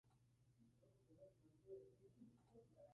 Se estrenó en los cines japoneses por la distribuidora Warner Bros.